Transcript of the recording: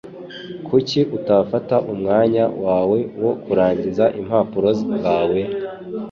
Kuki utafata umwanya wawe wo kurangiza impapuro zawe?